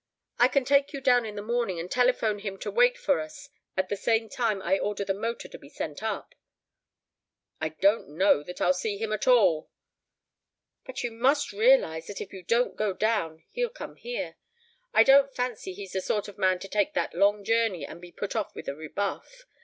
I can take you down in the morning and telephone him to wait for us at the same time I order the motor to be sent up." "I don't know that I'll see him at all." "But you must realize that if you don't go down he'll come here. I don't fancy he's the sort of man to take that long journey and be put off with a rebuff.